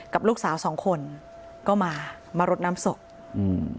กับลูกสาวสองคนก็มามารดน้ำศพอืม